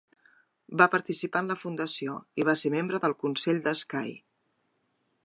Va participar en la fundació i va ser membre del consell de Skye.